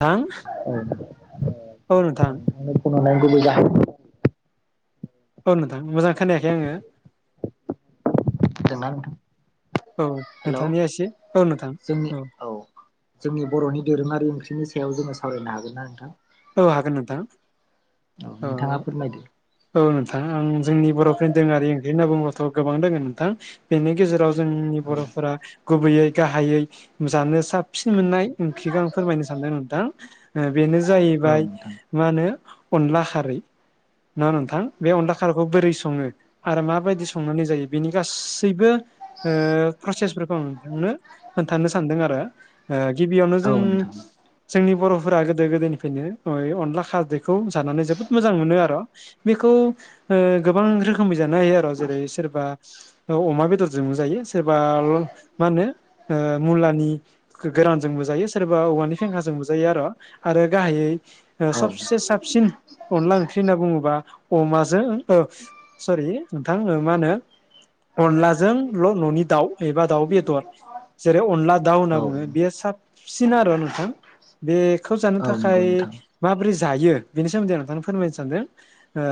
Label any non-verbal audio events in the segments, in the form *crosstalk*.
थां। औ औ। औ नोंथां। नोंथांनो फन हरनायनि गुबै जाहोनानो औ नोंथां मोजां खोनायाखै आङो। दोंना नोंथां औ हेल'? नोंथांनिया एसे औ नोंथां जोंनि औ। जोंनि बर'नि दोरोङारि ओंख्रिनि सायाव जोङो सावरायनो हागोन ना नोंथां? औ हागोन नोंथां। औ नोंथाङा फोरमायदो। औ नोंथां आं जोंनि बर'फोरनि दोङारि ओंख्रि होनना बुंङोब्लाथ' गोबां दोङो नोंथां। बेनि गेजेराव जोंनि औ बर'फोरा गुबैयै गाहायै जानो साबसिन मोननाय खिगां फोरमायनो सानदों नोंथां। बेनो औ जाहैबाय नोंथां मा होनो अनला खारै, ना नोंथां बे अनला खारैखौ बोरै संङो? आरो माबायदि संनानै जायो बेनि गासैबो ओ प्रसेसफोरखौ आं नोंथांनो खोन्थानो सानदों आरो। ओ गिबियावनो औ जों नोंथां जोंनि बर'फोरा गोदो गोदोनिफ्रायनो अ इ अनला खारैखौ जानानै जोबोद मोजां मोनो आरो बेखौ ओ गोबां रो खोमै जानो हायो आरो जेरै सोरबा अमा बेदरजों जायो सोरबा मा होनो ओ मुलानि गोरानजों बुजायो सोरबा औवानि फेंखाजोंबो जायो आरो। आरो गाहायै औ सबसे साबसिन अनला ओंख्रि होनना बुङोबा अमाजों ओ सरि नोंथां। मा होनो अनलाजोंल' न'नि दाउ एबा दाउ बेदर। जेरै अनला दाउ होनना औ बुङो बेयो साबसिन आरो नोंथां। बेखौ जानो नंगौ थाखाय नोंथां माबोरै जायो बेनि सोमोन्दै आं नोंथांनो फोरमायनो सानदों ओ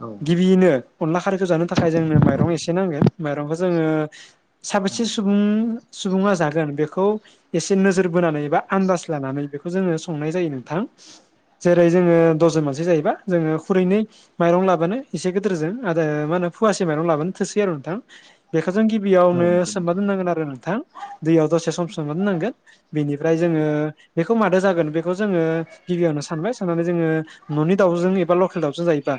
औ गिबियैनो अनला खारैखौ जानो थाखाय जोंनो माइरं एसे नांगोन। माइरंखौ जोङो साबेसे औ सुबुं सुबुङा जागोन बेखौ एसे नोजोर बोनानै एबा आन्दाज लानानै बेखौ जोङो संनाय जायो नोंथां। जेरै जोङो दसजन मानसि जायोबा जोङो खुरैनोै माइरं लाबानो एसे गिदिरजों आरो मा होनो फवासे माइरं लाबानो थोसै आरो नोंथां। बेखौ जों गिबियावनो नंगौ नोंथां औ नंगौ सोमना नोंथां दोननांगोन आरो नोंथां। दैयाव दसे सम सोमना दोननांगोन बेनिफ्राय जोङो बेखौ मादो जागोन बेखौ जोङो गिबियावनो सानबाय साननानै जोङो न'नि दाउजों एबा लकेल दाउजों जायोबा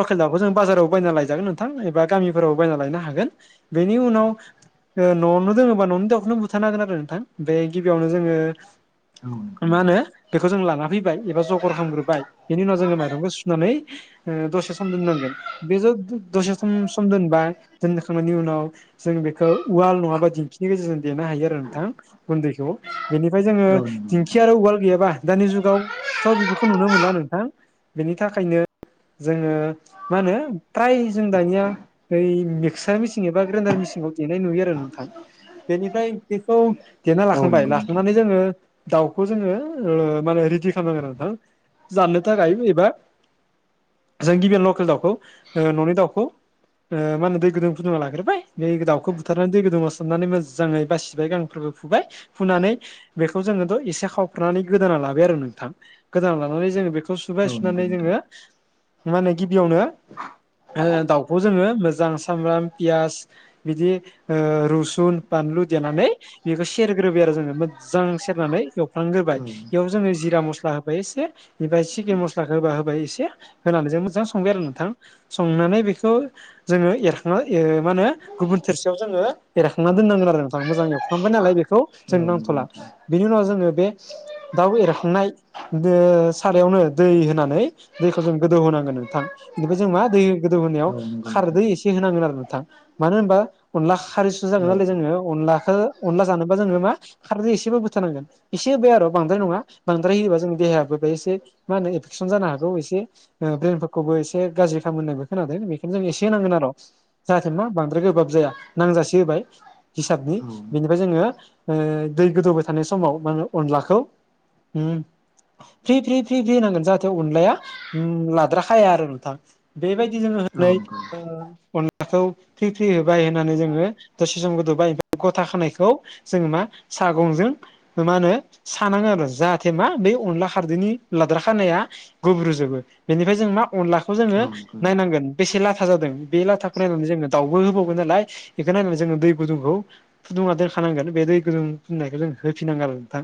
लकेल दाउखौ जों बाजाराव बायना लायजागोन नोंथां एबा गामिफोरावबो बायना लायनो हागोन। बेनि उनाव न'आवनो दोङोबा न'नि दाउखौनो बुथारनो हागोन आरो नोंथां। बे गिबियावनो जोङो औ नंगौ मा नोंथां होनो बेखौ जों लाना फै एबा जगर खालामग्रोबाय। बेनि उनाव जोङो माइरंखौ सुनानै ओ दसे सम दोननांगोन। बे ज दसे सम सम दोनबा दोनखांनायनि उनाव जों बेखौ उवाल नङाबा दिंखिनि गेजेरजों देनो हायो आरो नोंथां गुन्दैखौ। बेनिफ्राय जोङो औ दिेंखि आरो उवाल गैयाबा दानि जुगाव थ' बेफोरखौ नुनो मोनला नोंथां बेनि थाखायनो जोङो मा होनो फ्राय जों दानिया बै मिक्सार मिसिन एबा ग्रेनडार मिसिनाव देनाय नुयो आरो नोंथां। बेनिफ्राय बेखौ देना लाखांबाय नंगौ नोंथां लाखांनानै जोङो दाउखौ जोङो ओ माने रेडि खालाम नांगोन आरो नोंथां जाननो थाखाय एबा जों गिबियावनो लकेल दाउखौ ओ न'नि दाउखौ ओ मा होनो दै गुदुं फुदुंना लाग्रोबाय बे दाउखौ बुथारनानै दै गुदुंङाव सोमनानै मोजाङै बासिबाय गां फोर फुबाय फुनानै बेखौ जोङोथ' एसे सावथ्रनानै गोदाना लाबाय आरो नों गोदाना लानानै जोङो बेखौ सुबाय औ नंगौ सुनानै नोंथां जोङो मा होनो गिबियावनो ओ दाउखौ जोङो मोजां सामब्राम पियास बिदि ओ रुसुन बानलु देनानै। बेखौ सेरग्रोबाय आरो जोङो मोजां सेरनानै एवफ्लांग्रोबाय औ बेयाव जोङो जिरा मस स्ला होबाय एसे निफ्राय चिकेन मस्लाखौ होबा होबाय एसे होनानै जों मोजां संबाय आरो नोंथां। संनानै बेखौ जोङो एरखां मा होनो। गुबुन थोरसियाव जोङो एरखांनानै दोन्नांगोन आरो नोंथां। मोजां एवफ्रांबाय नालाय बेखौ जों औ नंगौ नांथ'ला। नोंथां बेनि उनाव जोङो बे दाउ एरखांनाय। बे सारायावनो दै होनानै दैखौ जों गोदौ होनांगोन नोंथां। बेखौ जों मा दै गोदौ होनायाव औ नंगौ खारदै नोंथां एसे होनांगोन आरो नोंथां। मानो होनबा अनला खारैसु जागोन नालाय जोङो औ अनलाखौ अनला जानोबा जोङो मा खारदै एसेबाबो होथारनांगोन। एसे होबाय आरो बांद्राय नङा बांद्राय होबा जोंनि देहायाबो बेहाय एसे मा होनो एफेकसन जानो हागौ एसे। ओ ब्रेनफोरखौबो एसे गाज्रि खालामो होन्नायबो खोनादों बेखायनो जों एसे नांगोन आर'। जाहाथे मा बांद्राय गोबाब जाया नांजासे होबाय। हिसाबनि। औ बेनिफ्राय जोङो ओ दै गोदौबाय थानाय समाव मा अनलाखौ हम। फ्रि-फ्रि-फ्रि-फ्रि होनांगोन जाहाथे अनलाया उम लाद्राखाया आरो नोंथां। बेबायदि जोङो औ होनानै नंगौ ओ अनला दाखौ फ्रि-फ्रि होबाय होननानै जोङो दसे सम गोदौबाय गथा खानायखौ जोङो मा सागंजों मा होनो सानाङो आरो जाहाथे मा बे अनला खारदैनि लाद्रा खानाया गुब्रुजोबो बेनिफ्राय जों मा अनला खौ जोङो नोंथां नायनांगोन। बेसे लाथा जादों बे लाथाखौ नायनानै जोङो दाउबो होबावगोन नालाय बेखौ नायनानै जोङो दै गुदुंखौ फुदुंना दोनखानांगोन बे दै गुदुं फुनायखौ जों होफिनांगोन आरो नोंथां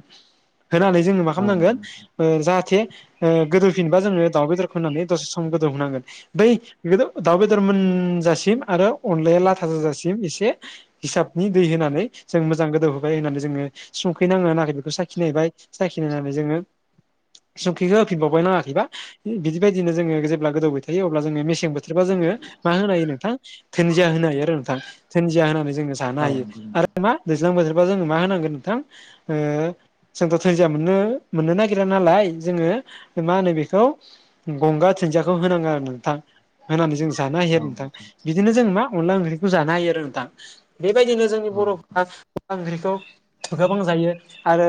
होनानै जोङो मा औ नंगौ खामनांगोन नोंथां ओ जाहाथे ओ गोदौफिनबा जोङो दाउ बेदरखौ होनानै दसे सम गोदौ होनांगोन। बै बे दाउ बेदर मोनजासिम आरो अनलाया लाथा जाजासिम एसे हिसाबनि दै होनानै जों मोजां गोदौहोबाय होननानै जोङो संखैनाङो नाङाखै बेखौ साखिनायबाय। साखिनायनानै जोङो सुंख्रिखौ होफिनबावबाय नाङाखैबा। बिदिबायदिनो जोङो जेब्ला गोदौबाय थायो अब्ला जोङो मेसें बोथोरबा जोङो मा होनो हायो नोंथां धोनदिया होनो हायो आरो नोंथां धोनदिया होनानै जोङो जानो औ हायो नंगौ नोंथां आरो मा दैज्लां बोथोरबा जोङो मा होनांगोन नोंथां ओ जोंथ' धोनजिया मोननो मोननो नागिर रा नालाय जोङो मा होनो बेखौ गंगा धोनदियाखौ होनाङो आरो नोंथां होनानै जों जानो हायो औ आरो नोंथां नंगौ बि बिदिनो जों मा अनला ओंख्रिखौ जानो हायो आरो नोंथां। बेबायदिनो जोंनि औ नोंथां औ बर'फ्रा अनला ओंख्रिखौ थु गोबां जायो आरो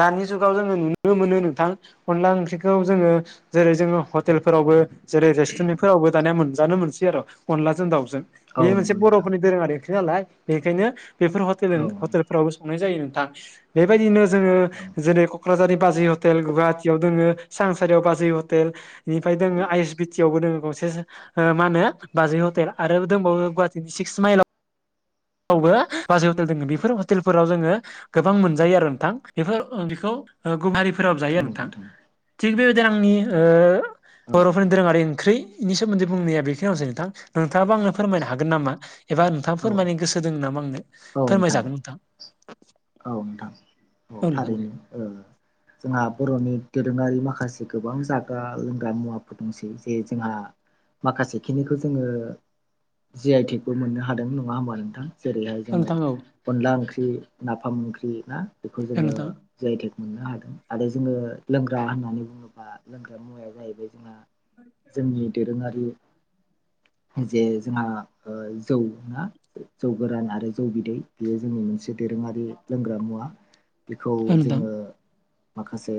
दानि जुगाव जोङो नुनो नो मोनो नोंथां। अनला ओंख्रिखौ जोङो जेरै जोङो हटेलफोरावबो जेरै रेस्टुरेन्ट फोरावबो दानिया मोनजानो मोनसै आरो अनलाजों दाउजों बे औ मोनसे नंगौ नोंथां बर'फोरनि दोरोङारि ओंख्रि नालाय बेनिखायनो बेफोर हथेल औ फोरावबो संनाय जायो नोंथां बेबायदिनो जोङो जेरै क'क्राझारि बाजै हटेल गुवाहाटियाव दङो सांसारियाव बाजै हटेल। बेनिफ्राय दोङ आइ एस बि टि आवबो दोङो गंसे सो ओ मा होनो बाजै हटेल आरो दंबावो गुवाहाटिनि सिक्स माइलाव आवबो बाजै हटेल दङ बेफोर हटेलफोराव जोङो गोबां मोनजायो आरो नोंथां बेफोर ओ बेखौ। ओ गुवारिफोराब जायो नोंथां थिग बेबायदिनो आंनि ओ औ बर'फोरनि दोरोङारि ओंख्रिनि सोमोन्दै बुंनाया बेखिनियावसै नोंथां नोंथाङाबा आंनो फोरमायनो हागोन नामा। एबा नोंथाङाफोरमायनाय गोसो दङो नामा आंनो औ नोंथां औ नोंथां औ नोंथां दे थारैनो ओ। जोंहा बर'नि दोरोङारि माखासे गोबां जाग्रा लोंग्रा मुवाफोर दंसै जे जोंहा। माखासे खिनिखौ जोङो जि आइ टिबो मोननो हादों नङा होमबा नोंथां जेरैहाय। औ जोङो नोंथां औ अनला ओंख्रि नाफाम ओंख्रि ना बेखौ औ जोङो। नोंथां जायटेक मोननो हादों आरो जोङो लोंग्रा होननानै बुङोब्ला लोंग्रा मुवाया जाहैबाय जोंहा जोंनि दोरोङारि जे जोंहा जौ ना जौ गोरान आरो जौ बिदै बेयो जोंनि मोनसे दोरोङारि लोंग्रा मुवा बेखौ औ नोंथां जोङो माखासे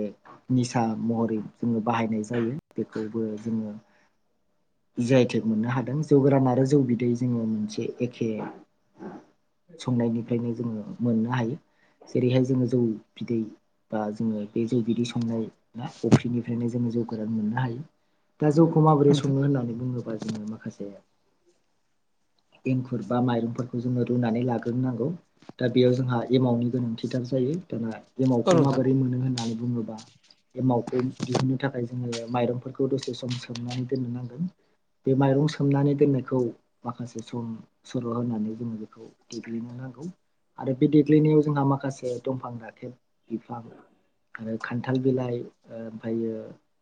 निसा महरै जोङो बाहायनाय जायो बेखौबो जोङो जइटेक मोननो हादों जौ गोरान आरो जौ बिदै जोङो मोनसे एखे संनायनिफ्रायनो जोङो मोननो हायो जेरैहाय जोङो जौ बिदै बा जोङो बे जौ बिदै संनाय बा अफ्रिनिफ्रायनो जोङो जौगोरां मोननो हायो दा जौखौ औ माबोरै नोंथां सङो होननानै बुङोबा जोङो माखासे एंखुर बा माइरंफोरखौ जोङो रुनानै लाग्रोनोनांगौ दा बेयाव जोंहा एमाउन्टनि गोनांथि दार जायो दाना औ एमावखौ नोंथां माबोरै मोनो होननानै बुङोबा ए मावावखौ दिहुननो थाखाय जोङो माइरंफोरखौ दसे सम सोमनानै दोननो नांगोन बे माइरं सोमनानै दोननायखौ माखासे सम सल' होनानै जोङो बेखौ देग्लिनो नांगौ आरो बे देग्लिनायाव जोंहा माखासे दंफां दाथेर बिफां आरो खान्थाल बिलाइ ओमफ्रायो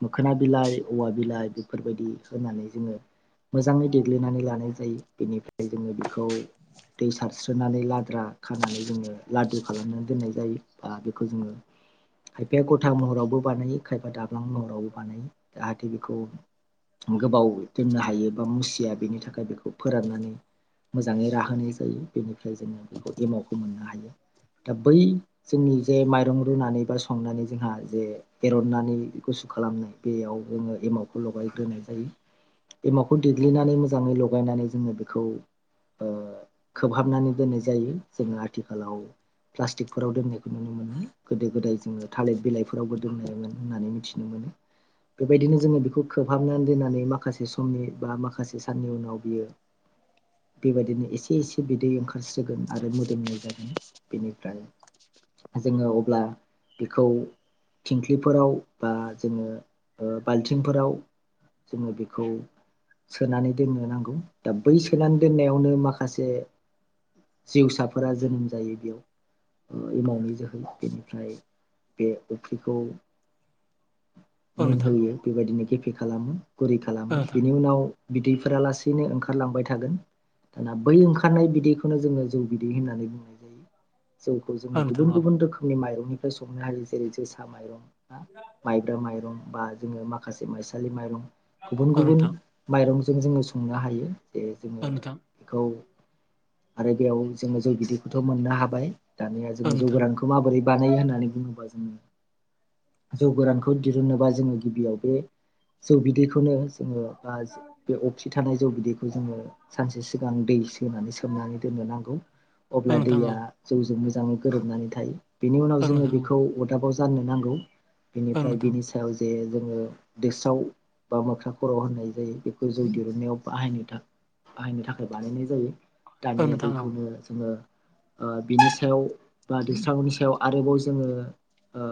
मोखोना बिलाइ औवा बिलाइ बेफोरबायदि होनानै जोङो मोजाङै देग्लिनानै लानाय जायो बेनिफ्राय जोङो बेखौ दै सारस्रोनानै लाद्रा खानानै जोङो लादु खालामनानै दोननाय जायो दा बेखौ जोङो खायफाया गथा महरावबो बानायो खायफा दाब्लां महरावबो बानायो जाहाथे बेखौ गोबाव दोननो हायो बा मुसिया बेनि थाखाय बेखौ फोराननानै मोजाङै राहोनाय जायो बेनिफ्राय जोङो बेखौ एमावखौ मोननो हायो दा बै जोंनि जे माइरं रुनानै बा संनानै जोंहा जे एरननानै गुसु खालामनाय बेयाव जोङो एमावखौ लगायग्रोनाय जायो एमाखौ देग्लिनानै मोजाङै लगायनानै जोङो बेखौ खोबहाबनानै दोननाय जायो जोङो आथिखालाव प्लास्टिकफोराव दोननायखौ नुनो मोनो गोदो गोदाय जोङो थालिर बिलाइफोरावबो दोननायोमोन होननानै मिथिनो मोनो बेबायदिनो जोङो बेखौ खोबहाबनानै दोननानै माखासे समनि बा माखासे साननि उनाव बियो बेबायदिनो एसे एसे एसे बिदै ओंखारस्रोगोन आरो मोदोमनाय जागोन बेनिफ्राय जोङो अब्ला बेखौ थिंख्लिफोराव बा जोङो बाल्थिंफोराव जोङो बेखौ सोनानै दोननो नांगौ दा बै सोनानै दोननायावनो माखासे जिउसाफोरा जोनोम जायो बेयाव एमावनि जोहै बेनिफ्राय बे अफ्रिखौ औ नोंथां औ नोंथां मोनहोयो बेबायदिनो गेफे खालामो गुरै औ खालामो बेनि उनाव बिदैफोरा लासैनो ओंखारलांबाय थागोन दाना बै ओंखार खारनाय बिदैखौनो जोङो। जौ बिदै होननानै बुंनाय जायो जौखौ जोङो नोंथां गुबुन औ गुबुन रोखोमनि माइरंनि संनो हायो। जेरै जोसा माइरं माइब्रा माइरं बा जोङो माखासे माइसालि माइरं गुबुन औ गुबुन नोंथां माइरंजों जोङो संनो हायो। जे औ नोंथां औ नोंथां औ नोंथां औ जोङो नोंथां औ बेखौ आरो बेयाव जोङो जय बिदैखौथ' मोननो हाबाय। दानिया जोङो औ नोंथां औ जौ नोंथां औ गोरांखौ माबोरै बानायो होननानै बुङोबा जोङो, जौ गोरानखौ दिहुनोबा जोङो गिबियाव बे जौ बिदैखौनो जोङो बा बे असि थानाय जौ बिदैखौ जोङो सानसे सिगां दै एसे होनानै सोमनानै दोननो नांगौ अब्ला दैया जौजों मोजाङै गोरोबनानै थायो। बेनि उनाव जोङो बेखौ अरदाबाव जाननो नांगौ बेनिफ्राय बेनि सायाव *unintelligible* बा मोख्रा खर' होननाय जायो बेखौ जौ दिरुनन्नायाव बाहायनो बाहायनो थाखाय बानायनाय जायो। दानिया बैखौनो जोङो ओ बिनि सायाव बा दैस्रांगौनि सायाव आरोबाव जोङो ओ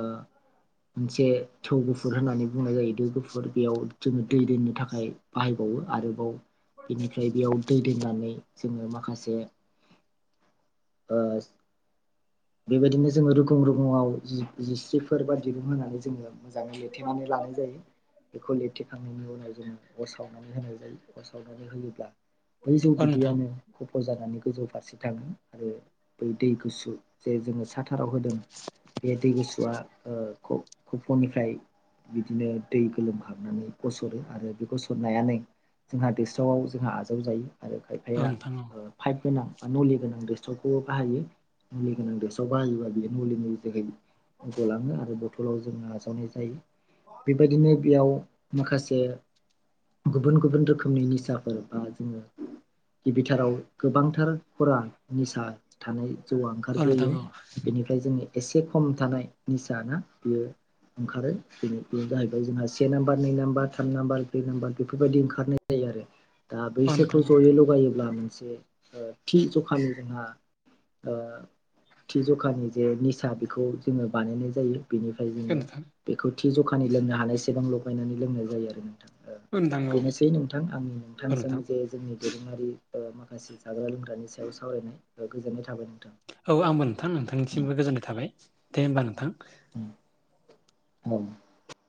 मोनसे थौ गुफुर होननानै बुंनाय जायो। गुफुर बेयाव जोङो दै दोननो थाखाय बाहायबावो आरोबाव बेनिफ्राय बेयाव दै दोननानै जोङो माखासे ओ स बेबायदिनो जोङो रुगुं रुगुङआव जि जिस्रिफोर बा दिरुं होनानै जोङो मोजाङै लिरथेनानै लानाय जायो बेखौ लिरथेखांनायनि उनाव जोङो अर सावनानै होनाय जायो। अर सावनानै होयोब्ला बै जौ बिदैयानो खफ' जानानै गोजौ फारसे थाङो आरो बै दै गुसु जे जोङो साथाराव होदों बे दै गुसुआ कफ'निफ्राय बिदिनो दै गोलोमहाबनानै गसरो आरो बे गसरनायानो जोंहा दोस्रावआव जोंहा आजावजायो आरो खायफाया पाइप गोनां बा नलि गोनां दसावखौबो बाहायो नलि गोनां देसाव बाहायोबा बियो मुलिनि ज गलाङो आरो फटलाव जों आजावनाय जायो बेबायदिनो बेयाव माखासे गुबुन गुबुन रोखोमनि निसाफोर बा जोङो गिबिथाराव गोबांथार खरा निसा थानाय जौआ औ नोंथां औ नोंथां ओंखारग्रोयो औ बेनिफ्राय ओमफ्राय जोंनि एसे खम थानाय निस ना बियो ओंखारो दिनै बेनो जाहैबाय जोंहा से नाम्बार नै नाम्बार थाम नाम्बार ब्रै नाम्बार बेफोरबायदि ओंखारनाय जायो आरो। दा औ नोंथां औ नोंथां औ नोंथां औ बैसोरखौ जयै लगायोब्ला मोनसे थि जखानि जोंहा ओ थि जखानि जे निसा बेखौ जोङो बानायनाय जायो बेनिफ्राय नोंथां *unintelligible* बेखौ थि जखानि लोंनो हानायसेबां लगायनानै लोंनाय जायो आरो नोंथां औ बेनोसै नोंथां आंनि औ नोंथांजों नोंथां जे जोंनि दोरोङारि माखासे जाग्रा लोंग्रानि सायाव सावरायनाय गोजोननाय थाबाय नोंथां। औ आंबो नोंथां नोंथांनिसिमबो गोजोननाय थाबाय दे होमबा नोंथां। *inaudible* औ।